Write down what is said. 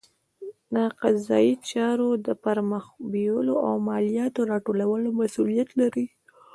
د قضایي چارو د پرمخ بیولو او مالیاتو راټولولو مسوولیت لري.